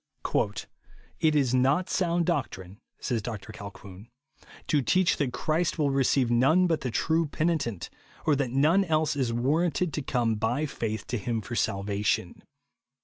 "It is not sound doctrine," says Dr Colquhoun, " to teach that Christ will receive none but the true penitent, or that none else is warranted to come by faith to him for salvation.